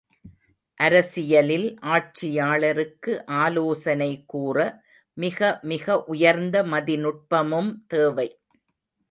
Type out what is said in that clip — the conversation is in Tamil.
அரசியலில் ஆட்சியாளருக்கு ஆலோசனை கூற மிக மிக உயர்ந்த மதிநுட்பமும் தேவை.